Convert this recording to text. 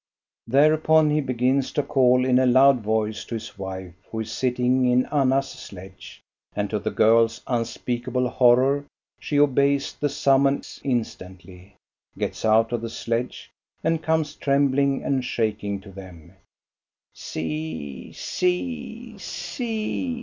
Thereupon he begins to call in a loud voice to his wife, who is sitting in Anna's sledge; and, to the girl's unspeakable horror, she obeys the summons instantly, gets out of the sledge, and comes, trem bling and shaking, to them. "See, see, see!